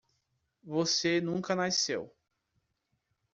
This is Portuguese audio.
Você nunca nasceu.